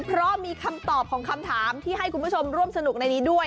เพราะมีคำตอบของคำถามที่ให้คุณผู้ชมร่วมสนุกในนี้ด้วย